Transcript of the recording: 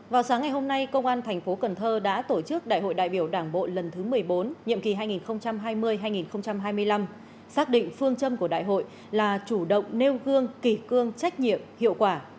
vào sáng ngày hôm nay công an thành phố cần thơ đã tổ chức đại hội đại biểu đảng bộ lần thứ một mươi bốn nhiệm kỳ hai nghìn hai mươi hai nghìn hai mươi năm xác định phương châm của đại hội là chủ động nêu gương kỳ cương trách nhiệm hiệu quả